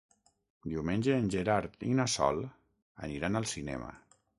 Diumenge en Gerard i na Sol aniran al cinema.